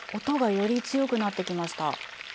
音がより強くなってきました。